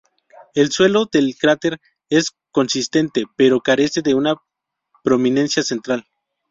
El suelo del cráter es consistente, pero carece de una prominencia central.